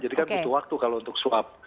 kan butuh waktu kalau untuk swab